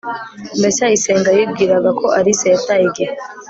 ndacyayisenga yibwiraga ko alice yataye igihe